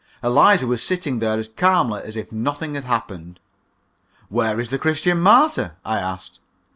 Eliza was sitting there as calmly as if nothing had happened. "Where is the 'Christian Martyr'?" I asked.